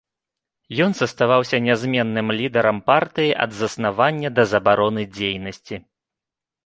Ён заставаўся нязменным лідарам партыі ад заснавання да забароны дзейнасці.